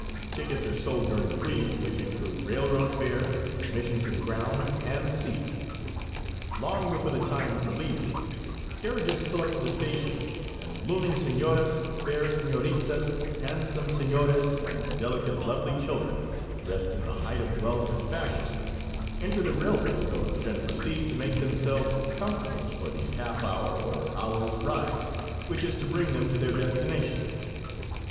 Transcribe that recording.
Tickets are sold during the week, which include railroad fare, admission to grounds and seat. Long before the time for leaving, carriages pull up to the stations and blooming senoras, fair senoritas, handsome senors and delicate, lovely children, dressed in the height of wealth and fashion, enter the railway coach and proceed to make themselves comfortable for the half hour or hour's ride which is to bring them to their destination.